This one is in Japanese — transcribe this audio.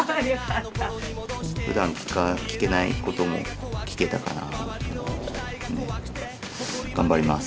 ふだん聞けないことも聞けたから頑張ります。